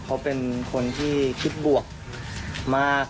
เขาเป็นคนที่คิดบวกมาก